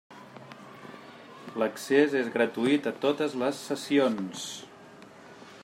L'accés és gratuït a totes les sessions.